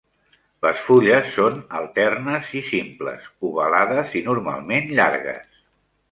Les fulles són alternes i simples, ovalades i normalment llargues.